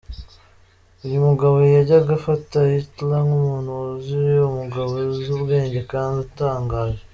Uyu mugabo yajyaga afata Hitler nk’umuntu wuzuye, umugabo uzi ubwenge kandi utangaje.